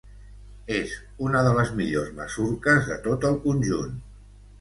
És una de les millors masurques de tot el conjunt.